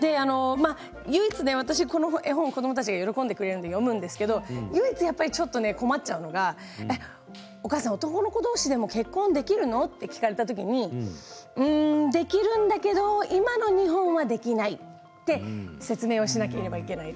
唯一私この絵本を子どもたちが喜んでくれるので読むんですけどちょっと困っちゃうのがお母さん、男の子どうしでも結婚できるの？と聞かれたときにできるんだけど今の日本はできないと説明しなければいけない。